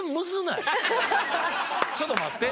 ちょっと待って。